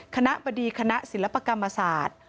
คณะบดีคณะศิลปกรรมศาสตร์